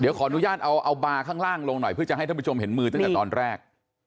ขออนุญาตเอาบาร์ข้างล่างลงหน่อยเพื่อจะให้ท่านผู้ชมเห็นมือตั้งแต่ตอนแรก